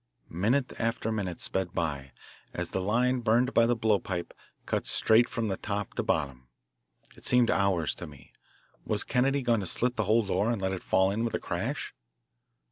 Minute after minute sped by, as the line burned by the blowpipe cut straight from top to bottom. It seemed hours to me. Was Kennedy going to slit the whole door and let it fall in with a crash?